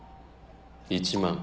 １万。